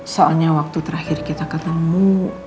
soalnya waktu terakhir kita ketemu